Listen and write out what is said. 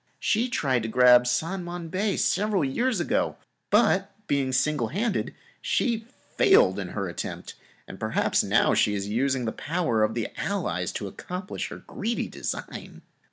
She tried to grab San Mon Bay several years ago, but being single handed, she failed in her attempt. And perhaps she is now using the power of the Allies to accomplish her greedy design.